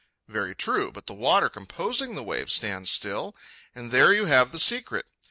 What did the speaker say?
Very true, but the water composing the wave stands still, and there you have the secret.